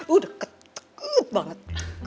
udah ketekut banget